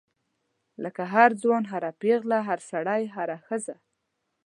لکه هر ځوان هر پیغله هر سړی هره ښځه.